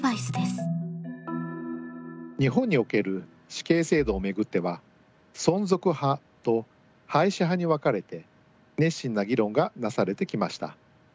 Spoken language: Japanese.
日本における死刑制度を巡っては存続派と廃止派に分かれて熱心な議論がなされてきました。